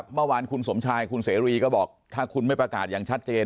เมื่อวานคุณสมชายคุณเสรีก็บอกถ้าคุณไม่ประกาศอย่างชัดเจน